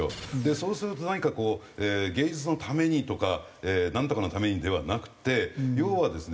そうすると何かこう芸術のためにとかなんとかのためにではなくて要はですね